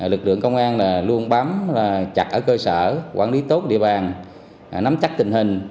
lực lượng công an luôn bám chặt ở cơ sở quản lý tốt địa bàn nắm chắc tình hình